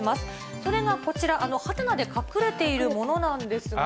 それがこちら、はてなで隠れているものなんですが。